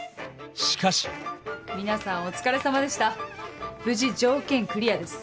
しかし皆さんお疲れさまでした無事条件クリアです。